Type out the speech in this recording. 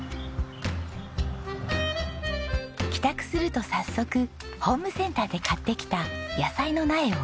帰宅すると早速ホームセンターで買ってきた野菜の苗を植え付けます。